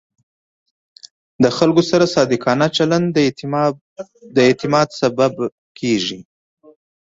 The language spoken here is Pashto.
د خلکو سره صادقانه چلند د اعتماد سبب دی.